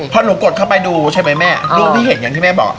พอหนูกดเข้าไปดูใช่ไหมแม่รูปที่เห็นอย่างที่แม่บอก